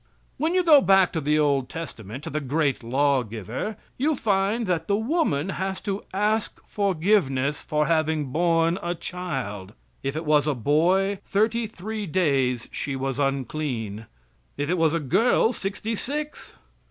When you go back to the old testament, to the great law giver, you find that the woman has to ask forgiveness for having borne a child. If it was a boy, thirty three days she was unclean; if it was a girl, sixty six.